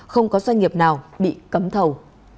không có doanh nghiệp nào bị cấm thầu